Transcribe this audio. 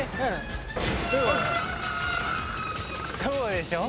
そうでしょ？